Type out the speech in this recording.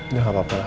udah gak apa apa lah